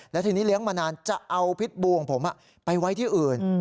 และทีนี้เลี้ยงมานานจะเอาพิษบูของผมไปไว้ที่อื่น